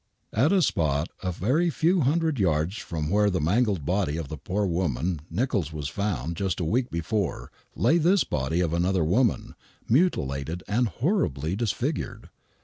At a spot a very few hundred yards from where the mangled body of the poor woman NichoUs was found just a week before lay this body of another woman, mutilated and horribly disfigured.